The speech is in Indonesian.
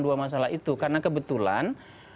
dua masalah itu karena kebetulan